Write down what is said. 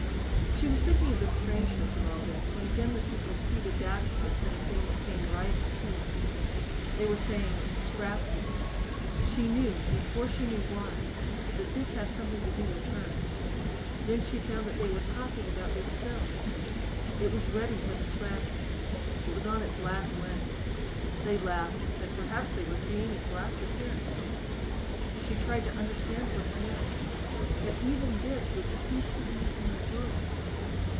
She was thinking of the strangeness of all this when again the people seated back of her said a thing that came right to her. They were saying "scrap heap." She knew before she knew why that this had something to do with her. Then she found that they were talking about this film. It was ready for the scrap heap. It was on its last legs. They laughed and said perhaps they were seeing its "last appearance." She tried to understand what it meant. Then even this would cease to be in the world.